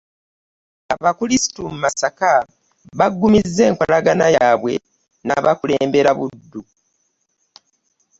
Abakrisito mu Masaka baggumizza enkolagana yaabwe n'abakulembera Buddu